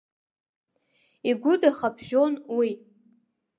Игәы дахаԥжәон уи.